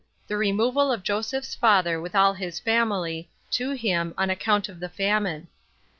The Removal Of Joseph's Father With All His Family, To Him, On Account Of The Famine.